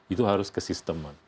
itu harus ke sistem